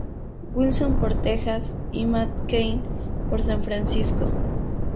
Wilson por Texas, y Matt Cain por San Francisco.